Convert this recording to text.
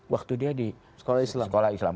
waktu dia di sekolah islam